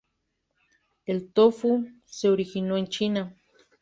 El tofu se originó en China.